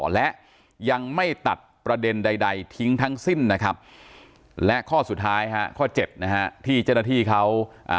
และยังไม่ตัดประเด็นใดใดทิ้งทั้งสิ้นนะครับและข้อสุดท้ายฮะข้อเจ็ดนะฮะที่เจ้าหน้าที่เขาอ่า